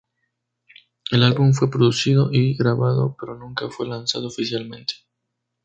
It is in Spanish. El álbum fue producido y grabado, pero nunca fue lanzado oficialmente.